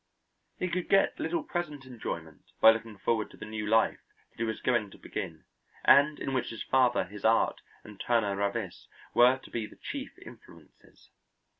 He could get little present enjoyment by looking forward to the new life that he was going to begin and in which his father, his art, and Turner Ravis were to be the chief influences.